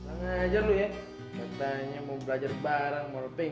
banget aja lu ya katanya mau belajar bareng mau leping